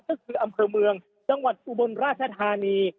ก็คืออำเภอเมืองจังหวัดอุบลราชธานี